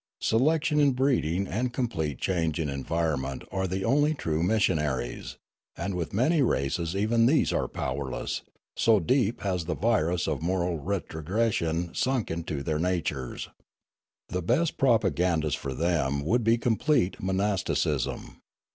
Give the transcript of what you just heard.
Selection in breeding and complete change in environment are the only true missionaries, and with many races even these are powerless, so deep has the virus of moral retrogression sunk into their natures. The best propagandist for them would be complete monasticism.